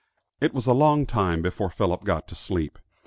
It was a long time before Philip got to sleep.